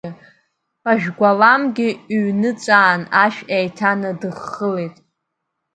Бажәгәаламгьы ҩныҵәаан ашә еиҭанадыххылеит.